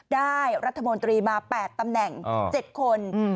ได้รัฐมนตรีมา๘ตำแหน่ง๗คน